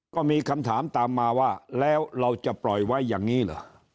ก็มีคำถามตามมาว่าแล้วเราจะปล่อยไว้อย่างนี้เหรอ